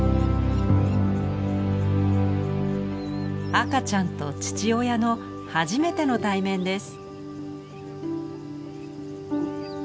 赤ちゃんと父親の初めての対面です。